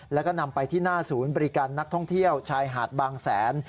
แล้วก็นำไปที่หน้าศูนย์บริการนักท่องเที่ยวชายหาดบางแสน